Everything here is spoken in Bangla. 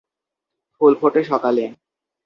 ফুল ফোটে সকালে।